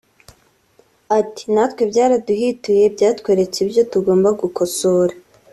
Ati “Natwe byaraduhwituye byatweretse ibyo tugomba gukosora